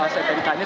saya tadi tanya